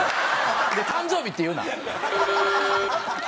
で「誕生日」って言うな。